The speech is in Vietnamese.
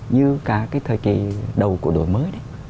như cả cái thời kỳ đầu của đổi mới